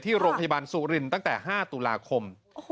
โรงพยาบาลสุรินตั้งแต่๕ตุลาคม